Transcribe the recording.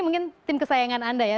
mungkin tim kesayangan anda ya